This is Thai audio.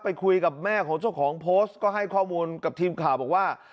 คุยกับแม่ของเจ้าของโพสต์ก็ให้ข้อมูลกับทีมข่าวบอกว่า